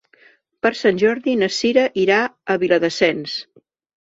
Per Sant Jordi na Cira irà a Viladasens.